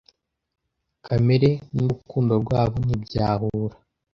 kamere n'urukundo rwabo ntibyahura